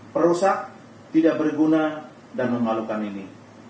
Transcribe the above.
perusak tidak berguna dan memalukan ini